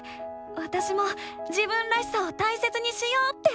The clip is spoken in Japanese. わたしも「自分らしさ」を大切にしようって思ったよ！